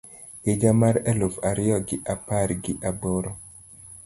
higa mar eluf ario gi apar gi aboro